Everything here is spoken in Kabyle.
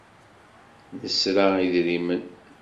Nesra idrimen.